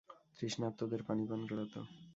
তৃষ্ণার্তদের পানি পান করাত।